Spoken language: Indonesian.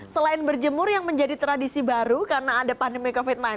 selain berjemur yang menjadi tradisi baru karena ada pandemi covid sembilan belas